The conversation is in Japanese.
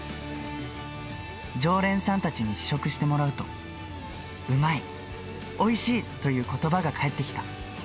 常連さんたちに試食してもらうと、うまい！おいしい！ということばが返ってきた。